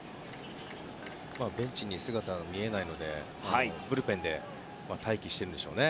ベンチに姿が見えないのでブルペンで待機しているでしょうね。